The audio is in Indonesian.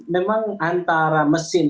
memang antara mesin